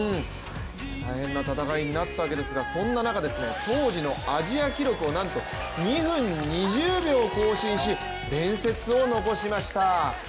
大変な戦いになったわけですが、そんな中、当時のアジア記録をなんと２分２０秒更新し伝説を残しました。